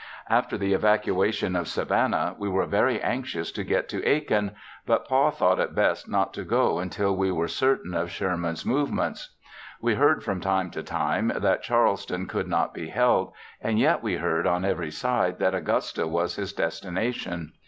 After the evacuation of Savannah we were very anxious to get to Aiken, but Pa thought it best not to go until we were certain of Sherman's movements. We heard from time to time that Charleston could not be held, and yet we heard on every side that Augusta was his destination.